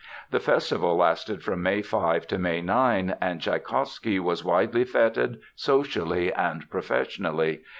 The festival lasted from May 5 to May 9, and Tschaikowsky was widely feted socially and professionally.